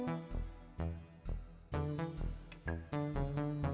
tante merry aku mau ke rumah